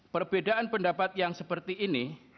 perbedaan pendapat yang seperti ini